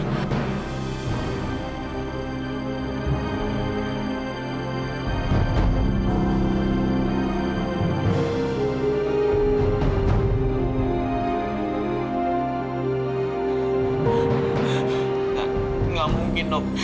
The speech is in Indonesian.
enggak enggak mungkin dok